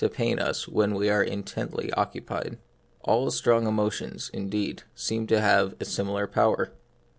pain us when we are intently occupied. All strong emotions, indeed, seem to have a similar power.